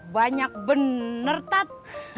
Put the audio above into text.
banyak bener tat